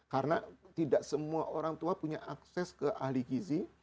karena tidak semua orang tua punya akses ke ahli gizi